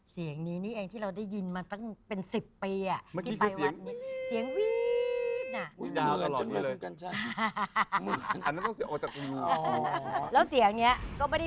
เสียงนี้นี่เองที่เราได้ยินมาตั้งเป็น๑๐ปี